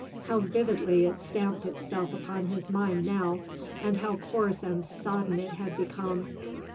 How vividly it stamped itself upon his mind now, and how coarse and sodden it had become.